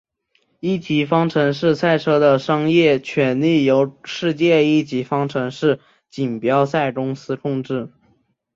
一级方程式赛车的商业权利由世界一级方程式锦标赛公司控制。